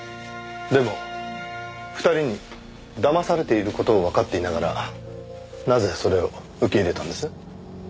でも２人にだまされている事をわかっていながらなぜそれを受け入れたんです？